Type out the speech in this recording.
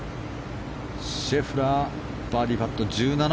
シェフラー、１７番バーディーパット。